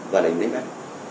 và để mình đánh bắn